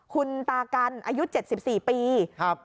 คุณตากันอายุ๗๔ปีครับ